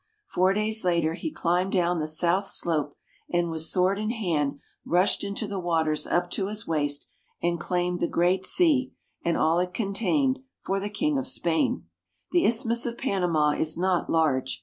Four days later he climbed down the south slope, and with sword in hand rushed into the waters up to his waist, and claimed the great sea and all it contained for the King of Spain. The Isthmus of Panama is not large.